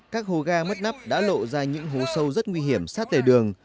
các hố ga mất nắp đã lộ ra những hố sâu rất nguy hiểm sát tại đường